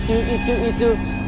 itu itu itu